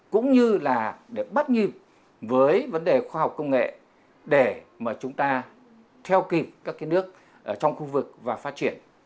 cũng như là để bắt nhịp với vấn đề khoa học công nghệ để mà chúng ta theo kịp các cái nước trong khu vực và phát triển